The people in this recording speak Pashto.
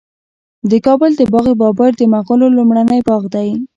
د کابل د باغ بابر د مغلو لومړنی باغ دی